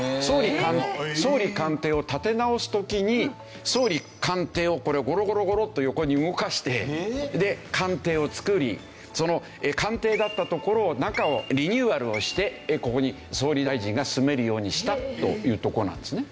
総理官邸を建て直す時に総理官邸をこれゴロゴロゴロッと横に動かしてで官邸を造りその官邸だった所を中をリニューアルをしてここに総理大臣が住めるようにしたという所なんですね。